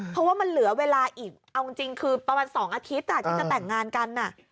เพราะว่ามันเหลือเวลาอีกเอาจริงคือประมาณ๒อาทิตย์ที่จะแต่งงานกัน